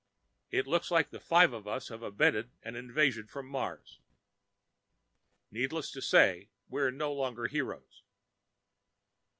It looks like the five of us have abetted an invasion from Mars. Needless to say, we're no longer heroes.